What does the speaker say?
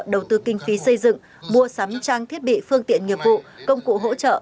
đầu tư kinh phí xây dựng mua sắm trang thiết bị phương tiện nghiệp vụ công cụ hỗ trợ